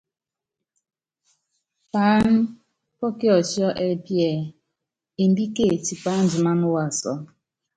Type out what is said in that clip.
Paáná pɔ́ kiɔtiɔ ɛ́pí ɛɛ: Embíke tipa andiman waasɔ.